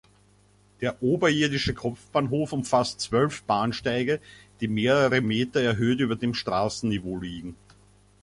Der oberirdische Kopfbahnhof umfasst zwölf Bahnsteige, die mehrere Meter erhöht über dem Straßenniveau liegen.